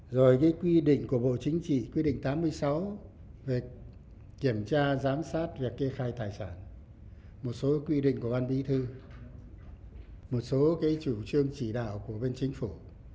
rồi cái quy định của bộ chính trị quy định tám mươi sáu về kiểm tra giám sát việc kê khai tài sản một số quy định của ban bí thư một số cái chủ trương chỉ đạo của bên chính phủ